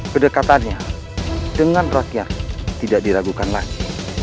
kedekatannya dengan rakyat tidak diragukan lagi